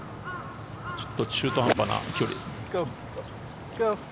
ちょっと中途半端な距離。